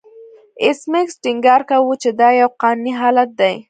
ایس میکس ټینګار کاوه چې دا یو قانوني حالت دی